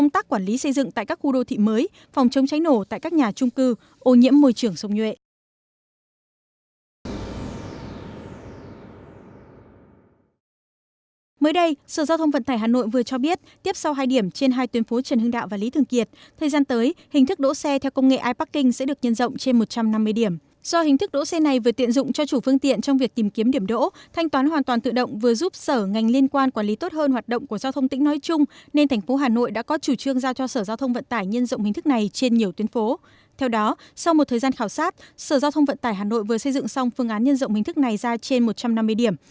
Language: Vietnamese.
theo đó sau một thời gian khảo sát sở giao thông vận tải hà nội vừa xây dựng xong phương án nhân rộng hình thức này ra trên một trăm năm mươi điểm